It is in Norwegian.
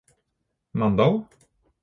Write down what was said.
Mandal